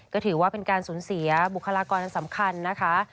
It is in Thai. ก็ถือว่าเป็นการสูญเสียบุคลากรสำคัญนะคะ